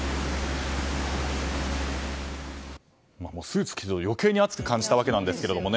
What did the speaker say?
スーツを着ていると余計に暑く感じたわけなんですが。